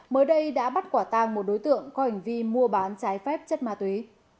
mới đây đã bắt quả tang một đối tượng có hành vi mua bán trái phép chất ma túy